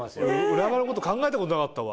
裏側のこと考えたことなかったわ。